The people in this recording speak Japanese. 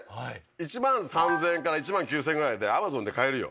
１万３０００円１万９０００円ぐらいでＡｍａｚｏｎで買えるよ。